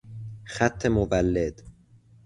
خط مولد